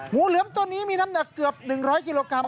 งูเหลือมตัวนี้มีน้ำหนักเกือบ๑๐๐กิโลกรัม